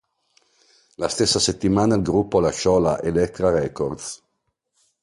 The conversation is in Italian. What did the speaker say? La stessa settimana il gruppo lasciò la Elektra Records.